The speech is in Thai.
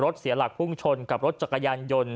เสียหลักพุ่งชนกับรถจักรยานยนต์